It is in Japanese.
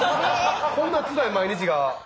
こんなつらい毎日が。